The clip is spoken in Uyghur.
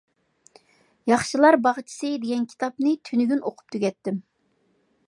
«ياخشىلار باغچىسى» دېگەن كىتابنى تۈنۈگۈن ئوقۇپ تۈگەتتىم.